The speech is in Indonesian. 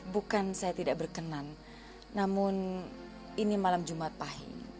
bukan saya tidak berkenan namun ini malam jumat pahi